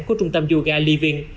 của trung tâm yoga living